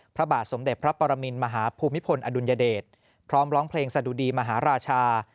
พระบาทสมเด็จพระปรมินมหาภูมิพลอดุลยเดชพร้อมร้องเพลงสะดุดีมหาราชา